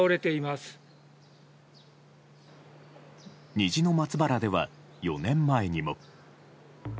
虹の松原では４年前にも。